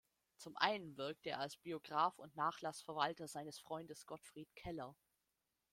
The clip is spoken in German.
Zum einen wirkte er als Biograf und Nachlassverwalter seines Freundes Gottfried Keller.